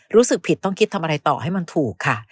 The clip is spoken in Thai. รู้สึกผิดต้องคิดทำอะไรต่อให้มันถูกค่ะ